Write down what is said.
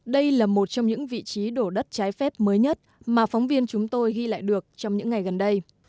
đây là một trong những vị trí đổ đất trái phép mới nhất mà phóng viên chúng tôi ghi lại được trong những ngày gần đây